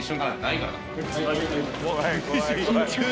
はい。